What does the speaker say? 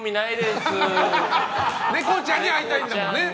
ネコちゃんに会いたいんだもんね。